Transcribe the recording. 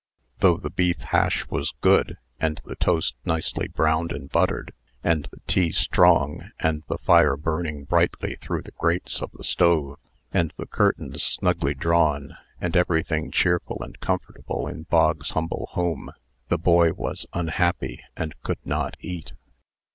Though the beef hash was good, and the toast nicely browned and buttered, and the tea strong, and the fire burning brightly through the grates of the stove, and the curtains snugly drawn, and everything cheerful and comfortable in Bog's humble home, the boy was unhappy, and could not eat.